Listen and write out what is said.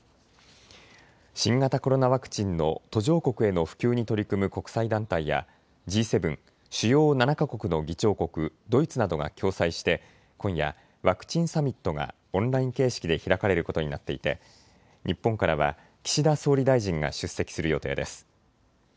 新型コロナワクチンの途上国への普及に取り組む国際団体やＧ７・主要７か国の議長国、ドイツなどが共催して今夜、ワクチンサミットがオンライン形式で開かれることになっていて日本からは岸田総理大臣が出席する予定です。